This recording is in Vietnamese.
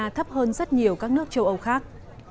thấp hơn rất nhiều các nước châu âu khác